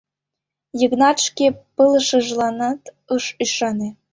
— Йыгнат шке пылышыжланат ыш ӱшане.